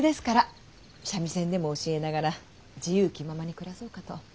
三味線でも教えながら自由気ままに暮らそうかと。